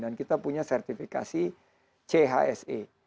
dan kita punya sertifikasi chse